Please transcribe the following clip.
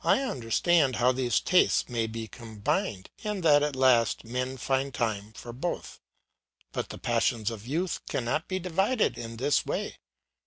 I understand how these tastes may be combined, and that at last men find time for both. But the passions of youth cannot be divided in this way.